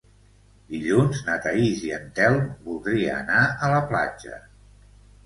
Dilluns na Thaís i en Telm voldria anar a la platja.